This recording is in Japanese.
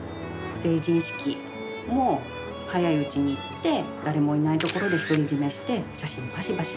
成人式も早いうちに行って誰もいないところで独り占めして写真バシバシ